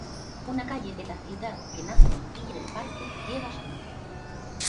Una calle de la ciudad que nace en Villa del Parque lleva su nombre.